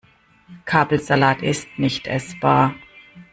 Kabelsalat ist nicht essbar.